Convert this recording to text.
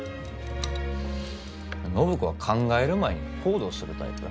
暢子は考える前に行動するタイプ。